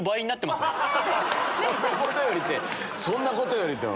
「そんなことより」って！